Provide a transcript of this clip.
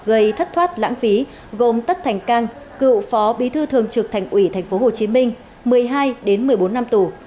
gây thất thoát lãng phí gồm tất thành cang cựu phó bí thư thường trực thành ủy tp hcm một mươi hai một mươi bốn năm tù